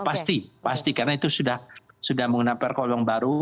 ya pasti pasti karena itu sudah menggunakan perkol yang baru